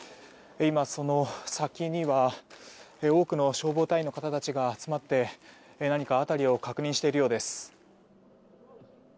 その先には多くの消防隊員の方たちが集まって何か辺りを確認しているようです。